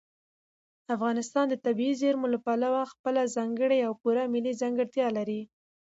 افغانستان د طبیعي زیرمې له پلوه خپله ځانګړې او پوره ملي ځانګړتیا لري.